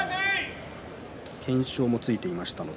懸賞も付いていました。